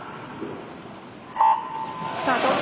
スタート。